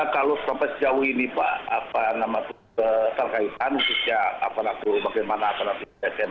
kalau sampai sejauh ini pak apa namanya terkaitan mungkin ya apa nanti bagaimana apa nanti